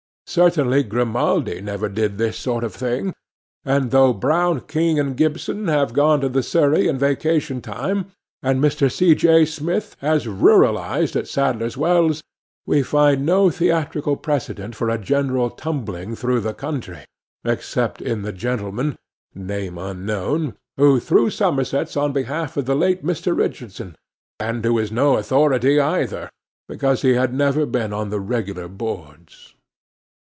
Certainly Grimaldi never did this sort of thing; and though Brown, King, and Gibson have gone to the Surrey in vacation time, and Mr. C. J. Smith has ruralised at Sadler's Wells, we find no theatrical precedent for a general tumbling through the country, except in the gentleman, name unknown, who threw summersets on behalf of the late Mr. Richardson, and who is no authority either, because he had never been on the regular boards.